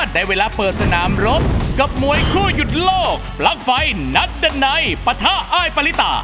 ได้เวลาเปิดสนามรบกับมวยคู่หยุดโลกปลั๊กไฟนัดดันในปะทะอ้ายปริตา